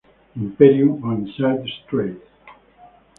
Imperium o Inside Straight.